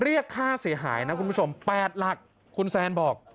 เรียกค่าเสียหายนะคุณผู้ชม๘หลักคุณแซนบอก